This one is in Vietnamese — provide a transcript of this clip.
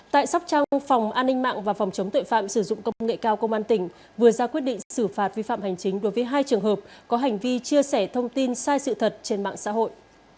tại sóc trăng phòng an ninh mạng và phòng chống tuệ phạm sử dụng công nghệ cao công an tỉnh vừa ra quyết định xử phạt vi phạm hành chính đối với hai trường hợp có hành vi chia sẻ thông tin sai sự thật trên mạng xã hội